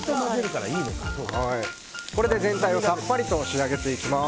これで全体をさっぱりと仕上げていきます。